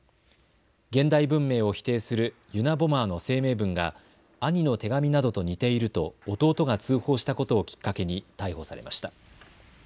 現代文明を否定するユナボマーの声明文が兄の手紙などと似ていると弟が通報したことをきっかけに逮捕されました。